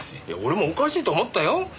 いや俺もおかしいと思ったよ。